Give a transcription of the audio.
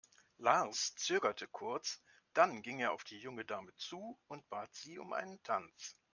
Lars zögerte kurz, dann ging er auf die junge Dame zu und bat sie um einen Tanz.